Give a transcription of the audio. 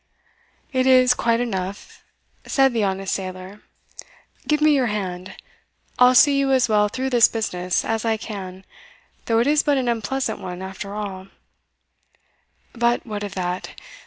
"It is quite enough," said the honest sailor "give me your hand; I'll see you as well through this business as I can, though it is but an unpleasant one after all But what of that?